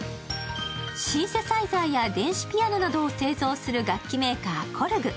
シンセサイザーや電子ピアノを製造する楽器メーカー・Ｋｏｒｇ。